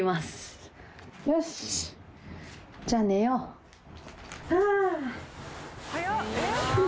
よし！